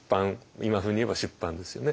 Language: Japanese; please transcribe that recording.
今風に言えば出版ですよね。